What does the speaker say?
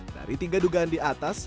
dari tiga dugaan di atas